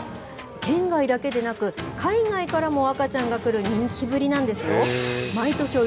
県外だけでなく、海外からも赤ちゃんが来る人気ぶりなんですよ。